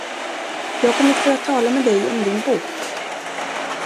Jag har kommit för att tala med dig om din bok.